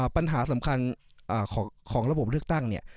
ปัญหาสำคัญของระบบเลือกตั้งเนี่ย